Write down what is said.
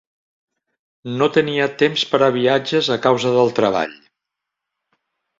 No tenia temps per a viatges a causa del treball.